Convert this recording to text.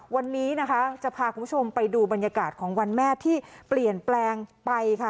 วันนี้นะคะจะพาคุณผู้ชมไปดูบรรยากาศของวันแม่ที่เปลี่ยนแปลงไปค่ะ